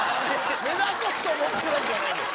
目立とうと思ってるわけじゃないの。